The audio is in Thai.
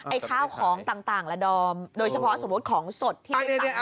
ข้าวของต่างละดอมโดยเฉพาะสมมุติของสดที่สั่ง